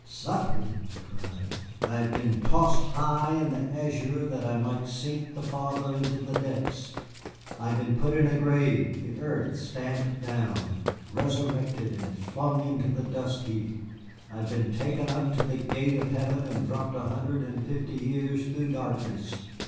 "Suffered!" he cried; "I have been tossed high in the azure that I might sink the farther into the depths. I have been put in a grave, the earth stamped down, resurrected, and flung into the dust heap. I have been taken up to the gate of heaven and dropped a hundred and fifty years through darkness.